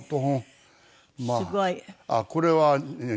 あっこれはね